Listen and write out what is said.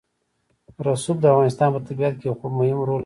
رسوب د افغانستان په طبیعت کې یو مهم رول لري.